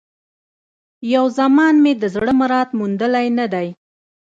یو زمان مي د زړه مراد موندلی نه دی